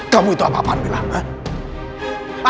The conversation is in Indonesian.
kamu itu apa apa bella